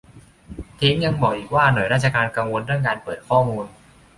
เท้งยังบอกอีกว่าหน่วยราชการกังวลเรื่องการเปิดข้อมูล